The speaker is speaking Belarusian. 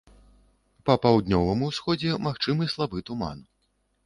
Па паўднёвым усходзе магчымы слабы туман.